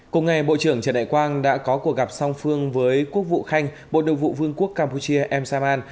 cùng ngày bộ trưởng trần đại quang đã có cuộc gặp song phương với quốc vụ khanh bộ đội vụ vương quốc campuchia em saman